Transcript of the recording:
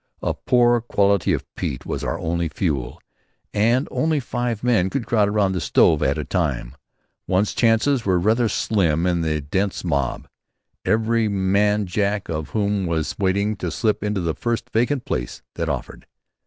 A poor quality of peat was our only fuel. As only five men could crowd round a stove at a time, one's chances were rather slim in the dense mob, every man jack of whom was waiting to slip into the first vacant place that offered.